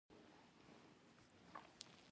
سپوږمۍ د فضایي اکتشافاتو نوی عصر پرانستی